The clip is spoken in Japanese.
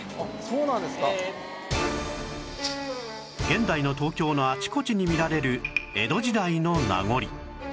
現代の東京のあちこちに見られる江戸時代の名残